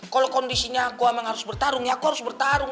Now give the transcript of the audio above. kalau kondisinya aku memang harus bertarung ya kau harus bertarung